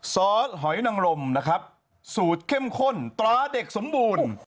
ซอสหอยนังลมนะครับสูตรเข้มข้นตราเด็กสมบูรณ์